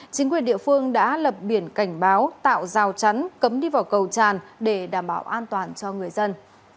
chính quyền địa phương đã lập biển cảnh báo tạo rào chắn cấm đi vào cầu tràn để đảm bảo an toàn cho người dân